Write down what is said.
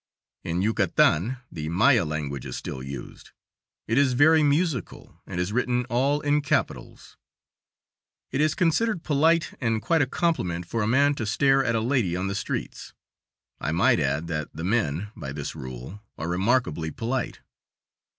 In Yucatan the Maya language is still used. It is very musical and is written all in capitals. It is considered polite and quite a compliment for a man to stare at a lady on the streets. I might add that the men, by this rule, are remarkably polite.